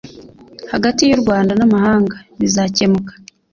hagati y u Rwanda namahanga bizakemuka